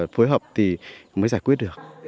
phối hợp thì mới giải quyết được